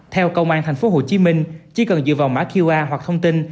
theo công an tp hcm chỉ cần dựa vào mã qr hoặc thông tin